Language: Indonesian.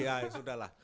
ya sudah lah